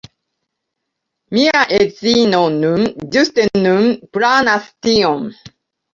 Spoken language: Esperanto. Mia edzino nun, ĝuste nun, planas tion.